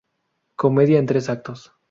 Comedia en tres actos.